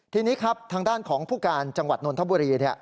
ทีนี้ครับทางด้านของผู้การจังหวัดนนทบุรี